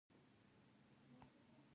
د خولې د اوبو د زیاتوالي لپاره څه شی وکاروم؟